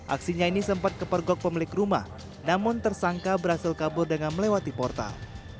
aksinya ini sempat kepergok pemilik rumah namun tersangka berhasil kabur dengan melewati portal